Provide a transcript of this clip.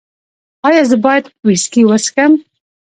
ایا زه باید ویسکي وڅښم؟